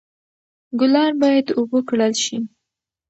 ګلان باید اوبه کړل شي.